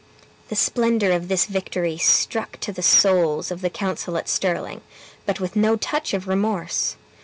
The splendor of this victory struck to the souls of the council at Stirling, but with no touch of remorse.